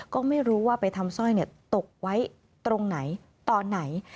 ก็ไม่รู้ว่าไปทำสร้อยตกไว้ตรงไหนตอนไหน